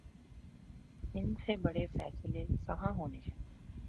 ان سے بڑے فیصلے کہاں ہونے ہیں۔